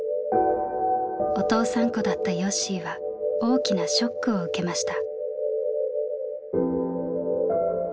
お父さんっ子だったよっしーは大きなショックを受けました。